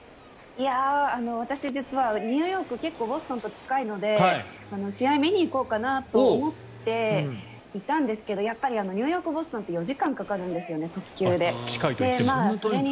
私、実は、ニューヨーク結構ボストンと近いので試合を見に行こうかなと思っていたんですがやっぱりニューヨークボストンって時間がかかるんですよね。